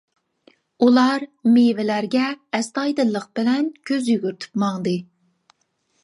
ئۇلار مېۋىلەرگە ئەستايىدىللىق بىلەن كۆز يۈگۈرتۈپ ماڭدى.